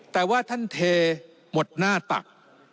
แต่ว่าท่านเทหมดหน้าตัก